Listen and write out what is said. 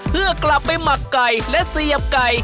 เพื่อกลับไปหมักไก่และเสียบไก่